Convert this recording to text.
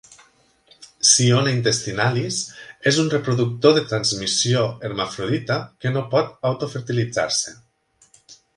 "Ciona intestinalis" és un reproductor de transmissio hermafrodita que no pot autofertilitzar-se.